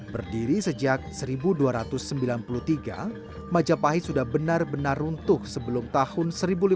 berdiri sejak seribu dua ratus sembilan puluh tiga majapahit sudah benar benar runtuh sebelum tahun seribu lima ratus